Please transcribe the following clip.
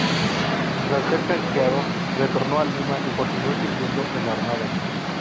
Tras ser canjeado, retornó a Lima y continuó sirviendo en la armada.